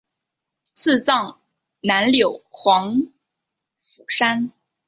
赐葬南柳黄府山。